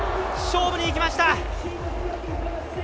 勝負にいきました。